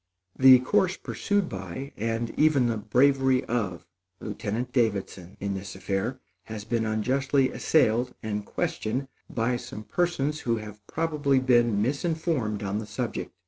The course pursued by, and even the bravery of, Lieutenant Davidson in this affair, has been unjustly assailed and questioned by some persons who have probably been misinformed on the subject.